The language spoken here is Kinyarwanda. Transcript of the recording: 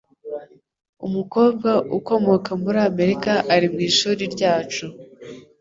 Umukobwa ukomoka muri Amerika ari mu ishuri ryacu.